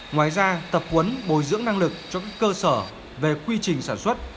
ngoài ra tập huấn bồi dưỡng năng lực cho các cơ sở về quy trình sản xuất